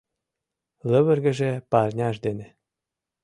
Лывыргыше парняж дене